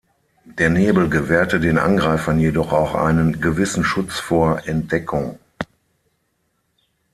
Der Nebel gewährte den Angreifern jedoch auch einen gewissen Schutz vor Entdeckung.